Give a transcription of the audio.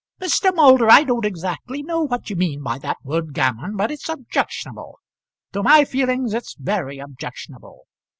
"Mr. Moulder, I don't exactly know what you mean by that word gammon, but it's objectionable. To my feelings it's very objectionable.